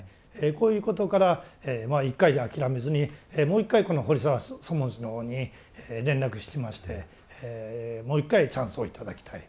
こういうことから一回で諦めずにもう一回この堀澤祖門師のほうに連絡しましてもう一回チャンスを頂きたい。